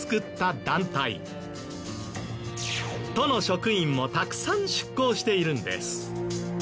都の職員もたくさん出向しているんです。